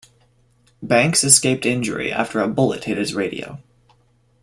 Banks escaped injury after a bullet hit his radio.